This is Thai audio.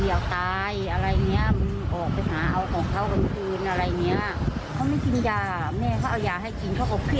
เขาไม่ใช่คนบ้าเพราะงั้นเขาก็ไม่กิน